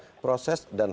tapi itu harus menolak